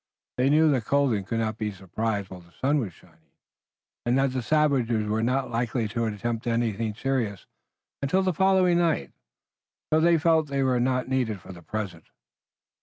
They knew that Golden could not be surprised while the sun was shining, and that the savages were not likely to attempt anything serious until the following night So they felt they were not needed for the present.